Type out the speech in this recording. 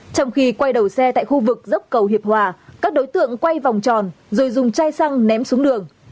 trong khi quay đầu xe tại khu vực dốc cầu hiệp hòa các đối tượng quay vòng tròn rồi dùng chai xăng ném xuống đường